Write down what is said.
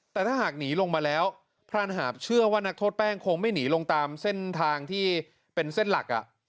แต่ถ้าหากหนีลงมาแล้วพรานหาบเชื่อว่านักโทษแป้งคงไม่หนีลงตามเส้นทางที่เป็นเส้นหลัก